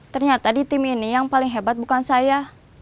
ternyata di tim ini yang paling hebat bukan saya